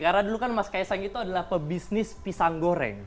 karena dulu kan mas kaesang itu adalah pebisnis pisang goreng